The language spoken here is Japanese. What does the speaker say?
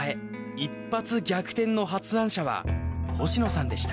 「一発逆転」の発案者は星野さんでした。